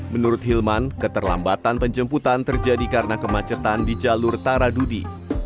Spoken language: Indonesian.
menurut hilman keterlambatan penjemputan terjadi karena kemacetan di jalur taradudi